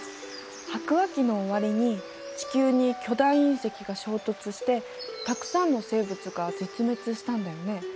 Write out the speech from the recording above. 白亜紀の終わりに地球に巨大隕石が衝突してたくさんの生物が絶滅したんだよね。